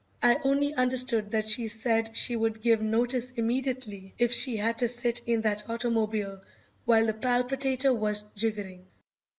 I only understood that she said she would give notice immediately if she had to sit in that automobile while the palpitator was jiggering.